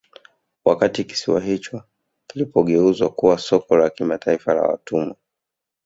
Wakati kisiwa hicho kilipogeuzwa kuwa soko la kimataifa la watumwa